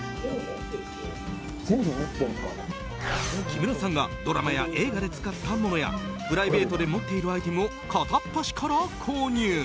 木村さんがドラマや映画で使ったものやプライベートで持っているアイテムを片っ端から購入。